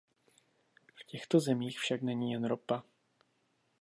V těchto zemích však není jen ropa.